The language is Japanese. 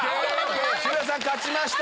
渋谷さん勝ちました。